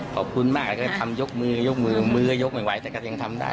ขอบคุณมากก็จะทำยกมือยกมือมือยกใหม่ไหวแต่ก็จะยังทำได้